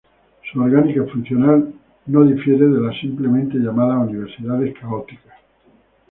Su orgánica funcional no difiere de las simplemente llamadas universidades católicas.